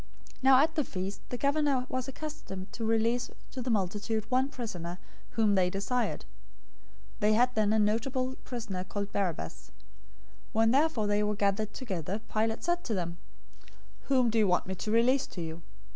027:015 Now at the feast the governor was accustomed to release to the multitude one prisoner, whom they desired. 027:016 They had then a notable prisoner, called Barabbas. 027:017 When therefore they were gathered together, Pilate said to them, "Whom do you want me to release to you?